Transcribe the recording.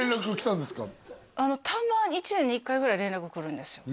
たまに１年に１回ぐらい連絡来るんですよ